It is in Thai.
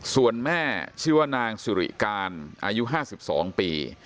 ส่วนแม่ชื่อว่านางศิริการอายุห้าสิบสองปี